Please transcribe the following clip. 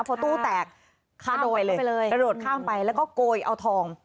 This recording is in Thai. พอตู้แตกประโดดข้ามไปแล้วก็โกยเอาทอง